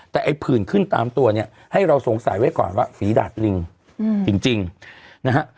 แต่ไอ้ผื่นขึ้นตามตัวเนี่ยให้เราสงสัยไว้ก่อนว่าฝีดาดลิงจริงนะฮะ